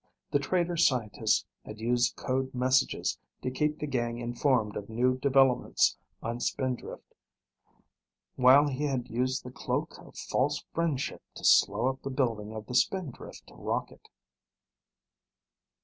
The traitor scientist had used code messages to keep the gang informed of new developments on Spindrift while he had used the cloak of false friendship to slow up the building of the Spindrift rocket.